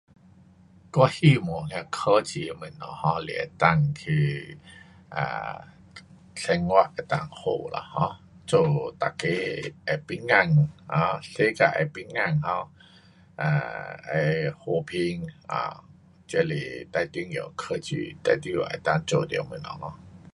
我希望的科技的东西 um 是能够去，啊，生活能够好啦 um，做每个会平安，啊，世界会平安，um 啊，会和平，啊，这是最重要科技最重要能够做到的东西，um